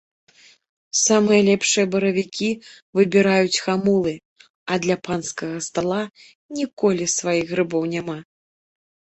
Самыя лепшыя баравікі выбіраюць хамулы, а для панскага стала ніколі сваіх грыбоў няма.